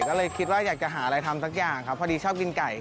ก็เลยคิดว่าอยากจะหาอะไรทำสักอย่างครับพอดีชอบกินไก่